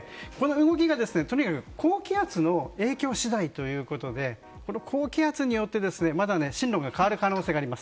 動きがとにかく高気圧の影響次第ということで高気圧によって、まだ進路が変わる可能性があります。